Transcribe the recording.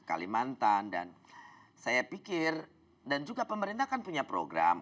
kalimantan dan saya pikir dan juga pemerintah kan punya program